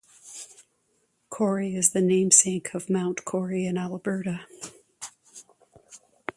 Cory is the namesake of Mount Cory, in Alberta.